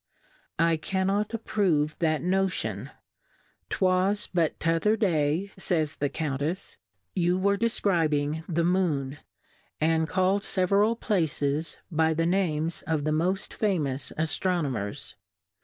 I cannot approve that Notion ; 'twas but t'^other Day, fays the Count efs^ you were defcribing the Moon, and call'd federal Places by the Names of the mofl: famous Aftronomers.